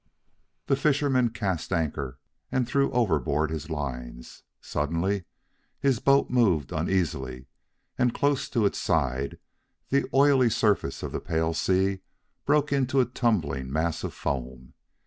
The fisherman cast anchor, and threw overboard his lines. Suddenly his boat moved uneasily, and close to its side the oily surface of the pale sea broke into a tumbling mass of foam.